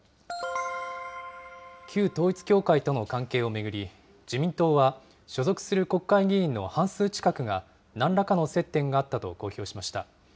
旧統一教会との関係を巡り、自民党は、所属する国会議員の半数近くが、なんらかの接点があったと公表しました。